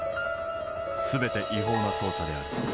全て違法な捜査である。